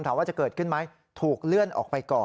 ว่าจะเกิดขึ้นไหมถูกเลื่อนออกไปก่อน